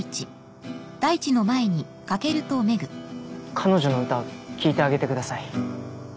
彼女の歌聴いてあげてください。